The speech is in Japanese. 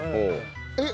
えっ？